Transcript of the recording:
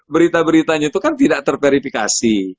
berita beritanya itu kan tidak terverifikasi